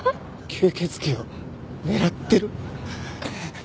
吸血鬼を狙ってる？